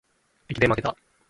駅伝まけた